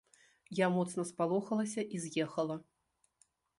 Я моцна спалохалася і з'ехала.